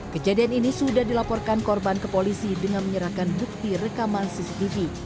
kejadian ini sudah dilaporkan korban ke polisi dengan menyerahkan bukti rekaman cctv